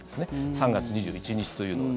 ３月２１日というのは。